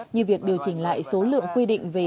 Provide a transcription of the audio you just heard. như việc điều chỉnh lại số lượng quy định về